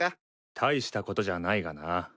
たいしたことじゃないがな。